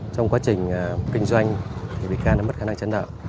trong quá trình kinh doanh thì bị can đã mất khả năng chấn đạo